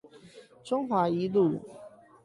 中華一路